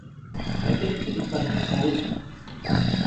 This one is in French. La qualité du trafic s'en ressent.